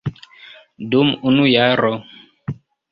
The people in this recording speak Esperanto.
Dum unu jaro.